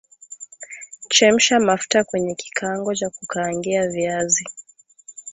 Chemsha mafuta kwenye kikaango cha kukaangia viazi